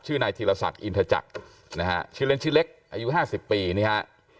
ชื่อนายธิรษัทอินทรจักรนะฮะชื่อเล่นชื่อเล็กอายุห้าสิบปีเนี่ยฮะ